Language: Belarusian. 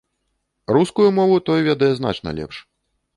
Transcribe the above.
Рускую мову той ведае значна лепш.